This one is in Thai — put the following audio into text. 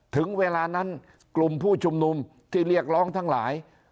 ถึงเวลานั้นกลุ่มผู้ชุมนุมที่เรียกร้องทั้งหลาย